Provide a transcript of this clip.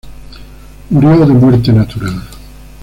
Murió de muerte natural.